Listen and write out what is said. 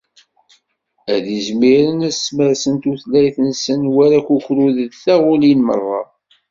Ad izmiren ad smersen tutlayt-nsen war akukru deg taɣulin merra.